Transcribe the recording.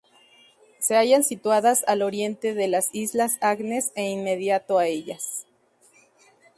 Se hallan situadas al oriente de las islas Agnes e inmediato a ellas.